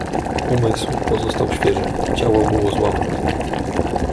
"Umysł pozostał świeży, ciało było złamane."